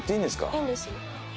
いいんですよ。